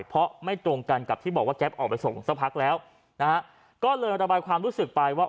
เพราะไม่ตรงกันกับที่บอกว่าแก๊ปออกไปส่งสักพักแล้วนะฮะก็เลยระบายความรู้สึกไปว่า